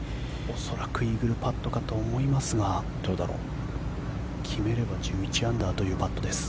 恐らくイーグルパットかと思いますが決めれば１１アンダーというパットです。